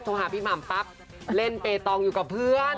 หาพี่หม่ำปั๊บเล่นเปตองอยู่กับเพื่อน